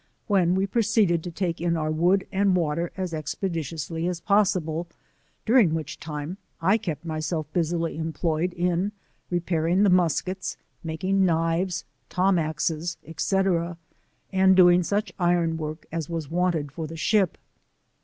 when we proceeded to take in our wood and water as expe ditiously as possible, during which time I kept my self busily employed in repairing the muskets, making knives, tomaxes, &c. and doing such iron work as was wanted for the ship.